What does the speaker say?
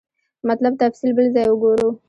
مطلب تفصیل بل ځای وګورو.